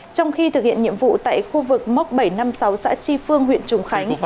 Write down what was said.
trong khi thực hiện nhiệm vụ tại khu vực móc bảy trăm năm mươi sáu xã chi phương huyện trùng khánh